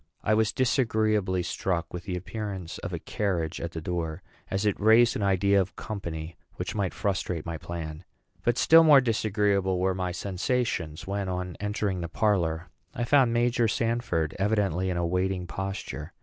I was disagreeably struck with the appearance of a carriage at the door, as it raised an idea of company which might frustrate my plan; but still more disagreeable were my sensations when, on entering the parlor, I found Major Sanford evidently in a waiting posture.